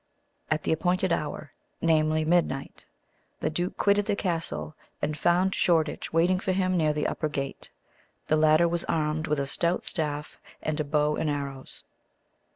At the appointed hour namely, midnight the duke quitted the castle, and found Shoreditch waiting for him near the upper gate. The latter was armed with a stout staff, and a bow and arrows.